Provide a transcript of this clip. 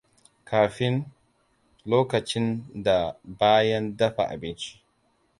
Kafin, lokacin, da bayan dafa abinci.